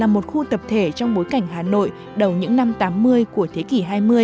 đức phạm là một khu tập thể trong bối cảnh hà nội đầu những năm tám mươi của thế kỷ hai mươi